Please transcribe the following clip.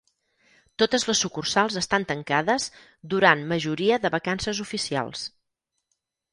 Totes les sucursals estan tancades durant majoria de vacances oficials.